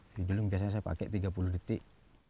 sebelum biasanya saya pakai tiga puluh detik